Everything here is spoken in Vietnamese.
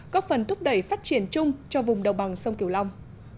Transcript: góp phần thúc đẩy phát triển chung cho vùng đồng bằng sông kiều long